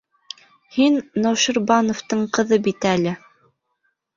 Һин Науширбановтың ҡыҙы бит әле.